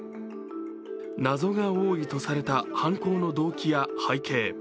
謎が多いとされた犯行の動機や背景。